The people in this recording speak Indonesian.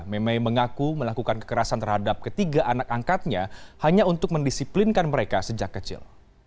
meme mengaku melakukan kekerasan terhadap ketiga anak angkatnya hanya untuk mendisiplinkan mereka sejak kecil